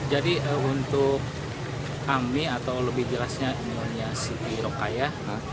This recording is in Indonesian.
jadi untuk kami atau lebih jelasnya inovasi rokaya